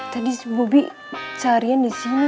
tadi si bobby carian di sini tau nggak